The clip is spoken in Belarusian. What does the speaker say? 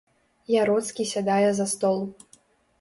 Яроцкі сядае за стол.